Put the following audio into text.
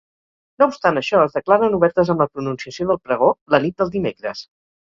No obstant això es declaren obertes amb la pronunciació del pregó, la nit del dimecres.